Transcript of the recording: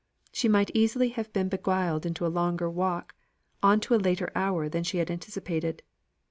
she might easily have been beguiled into a longer walk, on to a later hour than she had anticipated.